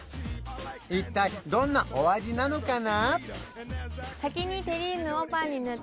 一体どんなお味なのかな？